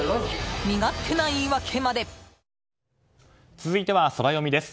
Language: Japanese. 続いてはソラよみです。